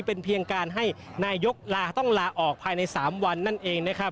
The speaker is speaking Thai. เป็นเพียงการให้นายกลาต้องลาออกภายใน๓วันนั่นเองนะครับ